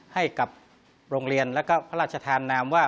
ให้กับโรงเรียนแล้วก็พระราชทานนามว่า